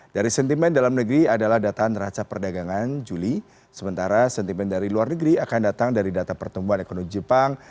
dari sentimen dalam negeri adalah data neraca perdagangan juli sementara sentimen dari luar negeri akan datang dari data pertumbuhan ekonomi jepang